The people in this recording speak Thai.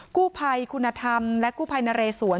กู้ภัยคุณธรรมและกู้ภัยนเรศวร